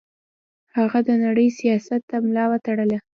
هغه د نړۍ سیاحت ته ملا وتړله.